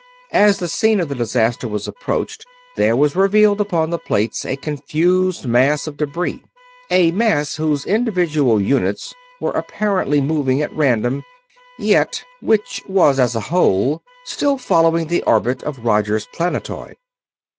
As the scene of the disaster was approached there was revealed upon the plates a confused mass of debris; a mass whose individual units were apparently moving at random, yet which was as a whole still following the orbit of Roger's planetoid.